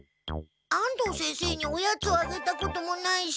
安藤先生におやつをあげたこともないし。